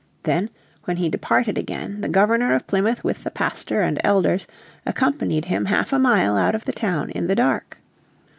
Then when he departed again, the Governor of Plymouth with the pastor and elders accompanied him half a mile out of the town in the dark.